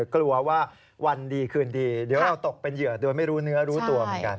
กลัวว่าวันดีคืนดีเดี๋ยวเราตกเป็นเหยื่อโดยไม่รู้เนื้อรู้ตัวเหมือนกัน